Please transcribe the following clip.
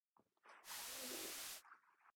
살려줘요!